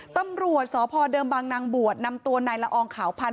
ตำรวจสพเดิมบางนางบวชนำตัวนายละอองขาวพันธ